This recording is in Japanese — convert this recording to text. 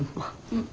うん。